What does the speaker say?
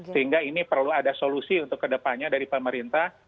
sehingga ini perlu ada solusi untuk kedepannya dari pemerintah